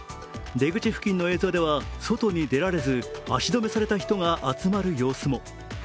出口付近の映像では、外に出られず足止めされた人が集まる様子も。